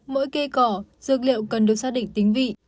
mỗi cây cỏ dược liệu cần được xác định tính vị